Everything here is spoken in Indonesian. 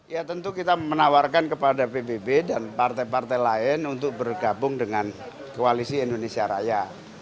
ya tentu kita menawarkan kepada pbb dan partai partai lain untuk bergabung dengan koalisi indonesia raya